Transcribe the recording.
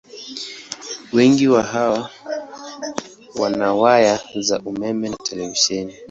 Wengi wa hawa wana waya za umeme na televisheni.